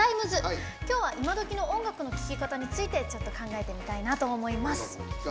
今日はイマドキの音楽の聴き方についてちょっと考えてみたいなと思います。